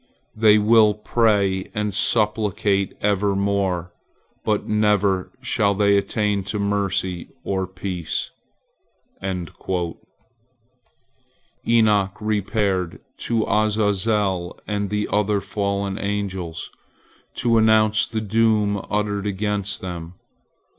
They will pray and supplicate evermore, but never shall they attain to mercy or peace." Enoch repaired to Azazel and the other fallen angels, to announce the doom uttered against them.